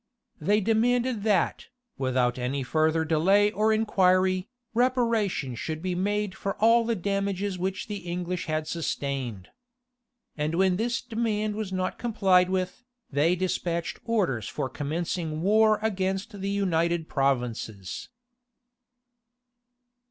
They demanded that, without any further delay or inquiry, reparation should be made for all the damages which the English had sustained. And when this demand was not complied with, they despatched orders for commencing war against the United Provinces.